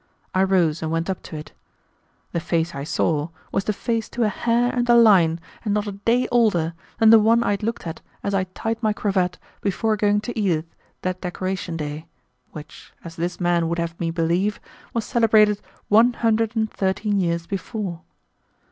I rose and went up to it. The face I saw was the face to a hair and a line and not a day older than the one I had looked at as I tied my cravat before going to Edith that Decoration Day, which, as this man would have me believe, was celebrated one hundred and thirteen years before.